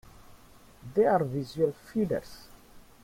They are visual feeders.